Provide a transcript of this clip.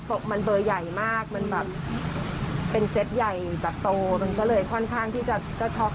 แต่มุมที่เราเก็บของแล้วเราก็มีเซฟ